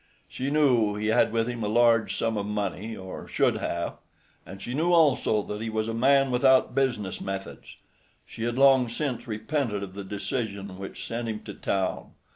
She knew he had with him a large sum of money, or should have, and she knew also that he was a man without business methods. She had long since repented of the decision which sent him to town.